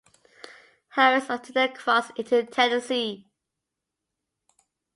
Highways until they cross into Tennessee.